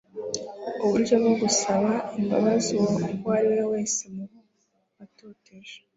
uburyo bwo gusaba imbabazi uwo ari we wese mu bo watoteje